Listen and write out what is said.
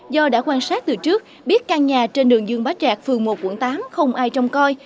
do đã quan sát từ trước biết căn nhà trên đường dương bá trạc phường một quận tám không ai trông coi